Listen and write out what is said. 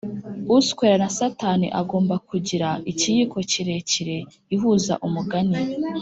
uswera na satani agomba kugira ikiyiko kirekire ihuza umugani